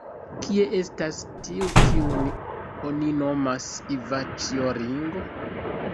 Kie estas tiu, kiun oni nomas Ivaĉjo Ringo?